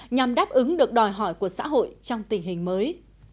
nhằm đáp ứng được đòi hỏi của xã hội trong tình hình mới